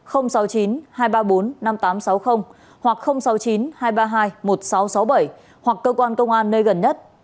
hoặc sáu mươi chín hai trăm ba mươi hai một nghìn sáu trăm sáu mươi bảy hoặc cơ quan công an nơi gần nhất